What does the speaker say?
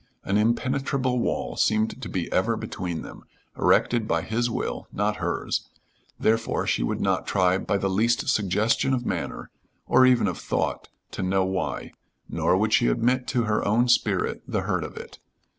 An impenetrable wall seemed to be ever between them, erected by his will, not hers; therefore she would not try by the least suggestion of manner, or even of thought, to know why, nor would she admit to her own spirit the hurt of it.